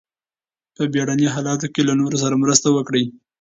په بیړني حالاتو کې له نورو سره مرسته وکړئ.